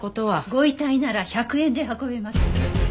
ご遺体なら１００円で運べます。